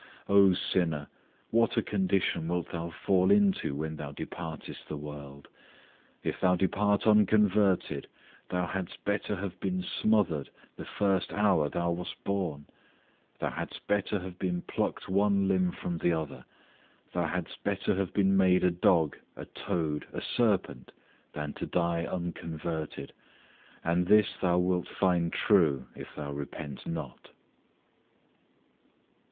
O! sinner, what a condition wilt thou fall into when thou departest the world; if thou depart unconverted, thou hadst better have been smothered the first hour thou wast born; thou hadst better have been plucked one limb from the other; thou hadst better have been made a dog, a toad, a serpent, than to die unconverted; and this thou wilt find true if thou repent not.